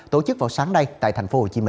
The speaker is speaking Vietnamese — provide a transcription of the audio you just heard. tổ chức vào sáng nay tại tp hcm